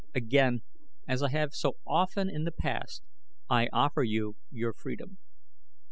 Again, as I have so often in the past, I offer you your freedom."